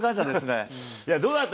どうだった？